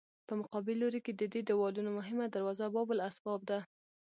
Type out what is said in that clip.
په مقابل لوري کې د دې دیوالونو مهمه دروازه باب الاسباب ده.